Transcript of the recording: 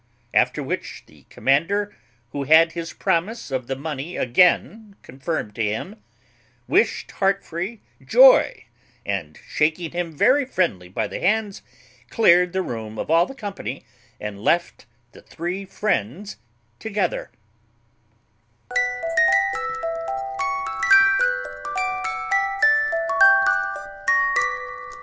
After which the commander, who had his promise of the money again confirmed to him, wished Heartfree joy, and, shaking him very friendly by the hands, cleared the room of all the company, and left the three friends together.